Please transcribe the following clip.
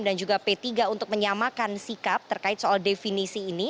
dan juga p tiga untuk menyamakan sikap terkait soal definisi ini